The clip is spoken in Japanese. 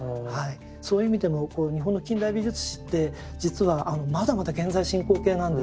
そういう意味でもこの日本の近代美術史って実はまだまだ現在進行形なんですよ。